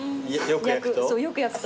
よく焼くと？